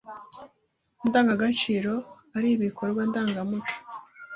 ndangagaciro ari ibikorwa ndangamuco